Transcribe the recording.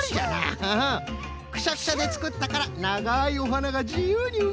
くしゃくしゃでつくったからながいおはながじゆうにうごく！